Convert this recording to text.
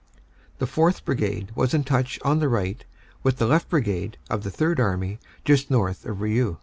The 4th. Brigade was in touch on the right with the left Brigade of the Third Army just north of Rieux.